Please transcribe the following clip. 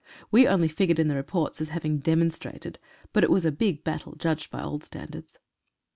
We only figured in the reports as having "demonstrated," but it was a big battle, judged by old standards.